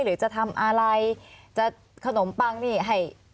หรือจะทำอะไรขนมปังนี่